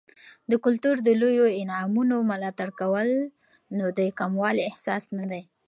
د کلتور د لویو انعامونو ملاتړ کول، نو د کموالي احساس نه دی.